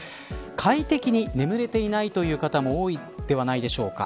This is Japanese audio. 快適に眠れていないという方も多いのではないでしょうか。